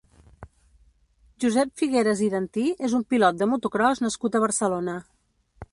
Josep Figueras i Dantí és un pilot de motocròs nascut a Barcelona.